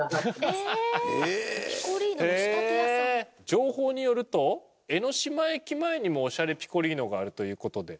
情報によると江ノ島駅前にもおしゃれピコリーノがあるという事で。